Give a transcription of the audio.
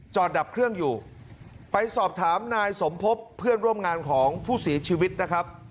ดับเครื่องอยู่ไปสอบถามนายสมพบเพื่อนร่วมงานของผู้เสียชีวิตนะครับ